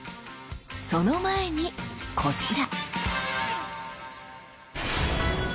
その前にこちら！